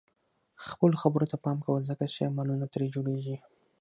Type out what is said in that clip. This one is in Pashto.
خپلو خبرو ته پام کوه ځکه چې عملونه ترې جوړيږي.